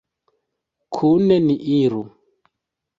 Kune ni iru!